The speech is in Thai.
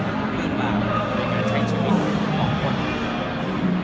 และมีหลับในการใช้ชีวิตของคน